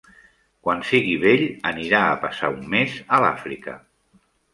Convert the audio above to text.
Quan sigui vell anirà a passar un mes a l'Àfrica.